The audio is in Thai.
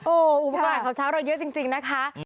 โอ้อุปกรณ์ขอบชาวเราเยอะจริงนะคะ